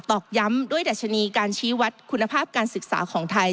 อกย้ำด้วยดัชนีการชี้วัดคุณภาพการศึกษาของไทย